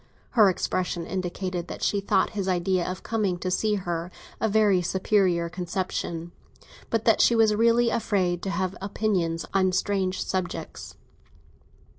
Her expression indicated that she thought his idea of coming to see her a very superior conception, but that she was really afraid to have opinions on strange subjects.